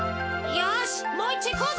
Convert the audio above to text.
よしもういっちょいこうぜ！